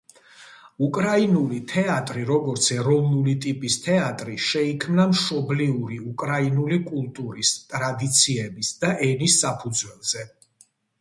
უკრაინული თეატრი, როგორც ეროვნული ტიპის თეატრი, შეიქმნა მშობლიური უკრაინული კულტურის, ტრადიციების და ენის საფუძველზე.